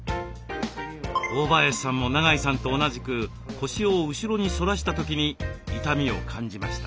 大林さんも長井さんと同じく腰を後ろに反らした時に痛みを感じました。